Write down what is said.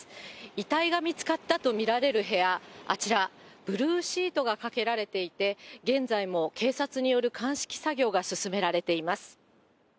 遺体が見つかったと見られる部屋、あちら、ブルーシートがかけられていて、現在も警察による鑑識作業が進められています。